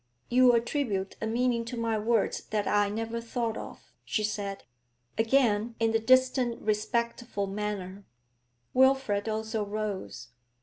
'You attribute a meaning to my words that I never thought of,' she said, again in the distant respectful manner. Wilfrid also rose.